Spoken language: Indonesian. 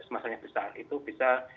masalahnya besar itu bisa